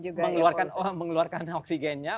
juga ya mengeluarkan oksigennya